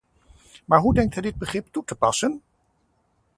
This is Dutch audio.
Maar hoe denkt hij dit begrip toe te passen?